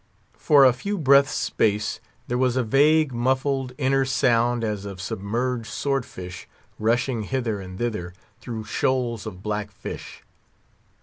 For a few breaths' space, there was a vague, muffled, inner sound, as of submerged sword fish rushing hither and thither through shoals of black fish.